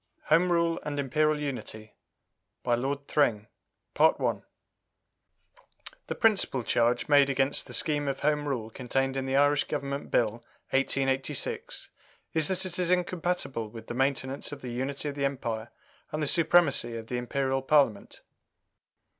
] HOME RULE AND IMPERIAL UNITY BY LORD THRING The principal charge made against the scheme of Home Rule contained in the Irish Government Bill, 1886, is that it is incompatible with the maintenance of the unity of the Empire and the supremacy of the Imperial Parliament.